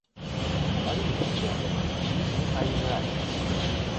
あまりに空いてると逆に入りづらい